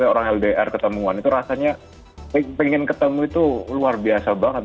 orang lbr ketemuan itu rasanya pengen ketemu itu luar biasa banget